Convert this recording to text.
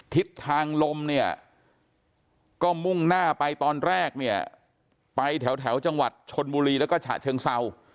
ทิศทางลมเนี่ยก็มุ่งหน้าไปตอนแรกเนี่ยไปแถวจังหวัดชนบุรีแล้วก็ฉะเชิงเศร้า